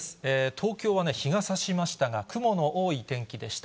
東京はね、日がさしましたが、雲の多い天気でした。